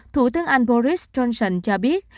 thủ tướng anh boris johnson cho biết